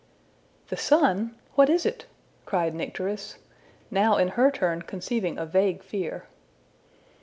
'' ``The sun! what is it?'' cried Nycteris, now in her turn conceiving a vague fear.